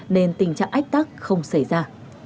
nên tình trạng ách tắc không xảy ra